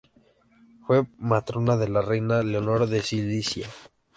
Fue matrona de la reina Leonor de Sicilia.